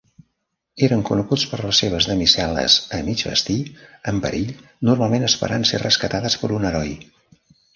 Eren coneguts per les seves damisel·les a mig vestir en perill, normalment esperant ser rescatades per un heroi.